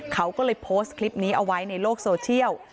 เขาก็เลยโพสต์คลิปนี้เอาไว้ในโลกโซเชียล